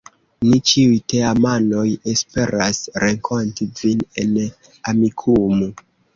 Ni ĉiuj teamanoj esperas renkonti vin en Amikumu.